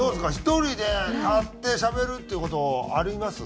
１人で立ってしゃべるっていう事あります？